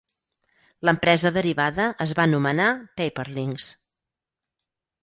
L'empresa derivada es va anomenar Paperlinx.